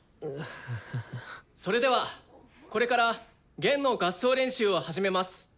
それではこれから弦の合奏練習を始めます。